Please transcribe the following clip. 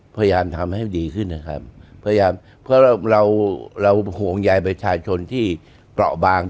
พยายามทำให้ดีขึ้นนะครับเพราะเราห่วงใหญ่ประชาชนที่กล่อบาง